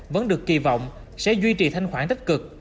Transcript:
vẫn được kỳ vọng sẽ duy trì thanh khoản tích cực